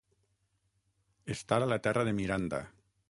Estar a la terra de Miranda.